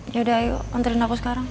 yaudah ayo antrian aku sekarang